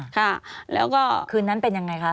คืนนั้นเป็นยังไงคะ